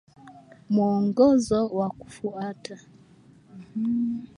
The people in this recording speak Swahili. Muongozo wa kufuata